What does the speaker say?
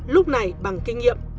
lúc này bằng kinh nghiệm